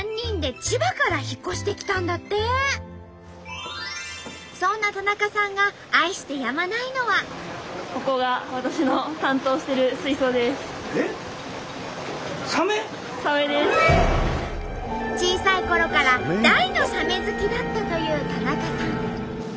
なんとそんな田中さんが小さいころから大のサメ好きだったという田中さん。